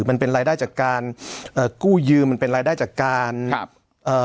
มันเป็นรายได้จากการเอ่อกู้ยืมมันเป็นรายได้จากการครับเอ่อ